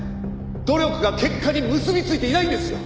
「努力が結果に結びついていないんですよ」